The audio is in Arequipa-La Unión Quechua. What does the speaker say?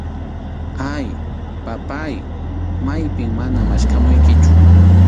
Ay, papáy, maypim mana maskhamuykichu.